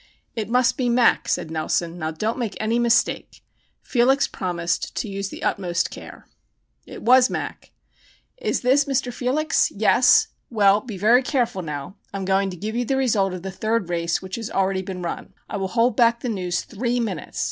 "It must be 'Mac,'" said Nelson. "Now don't make any mistake!" Felix promised to use the utmost care. It was "Mac." "Is this Mr. Felix? Yes? Well, be very careful now. I am going to give you the result of the third race which has already been run. I will hold back the news three minutes.